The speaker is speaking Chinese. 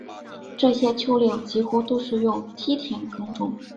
这些丘陵几乎都是用梯田耕种